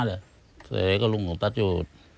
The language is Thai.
เสร็จแล้วก็ลุงของตั๊ดอยู่